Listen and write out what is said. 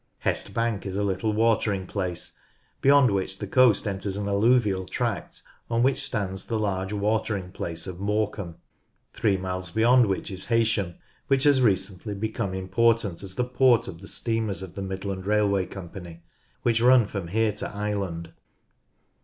Hest Bank is a little watering place, beyond which the coast enters an alluvial tract, on which stands the large watering place of A4ore cambe, three miles beyond which is Heysham, which has 44 NORTH LANCASHIRE recently become important as the port of the steamers of the Midland Railway Company which run from here to Ireland.